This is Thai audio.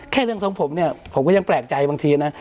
แค่เรื่องของผมเนี่ยผมก็ยังแปลกใจบางทีนะ